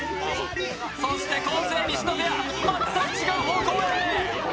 そして昴生・西野ペア全く違う方向へ。